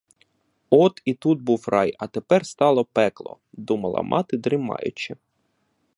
От і тут був рай, а тепер стало пекло, — думала мати дрімаючи.